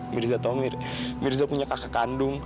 mirza tahu mir mirza punya kakak kandung